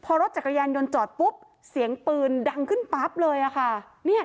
พอรถจักรยานยนต์จอดปุ๊บเสียงปืนดังขึ้นปั๊บเลยค่ะ